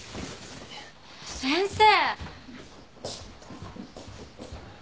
先生！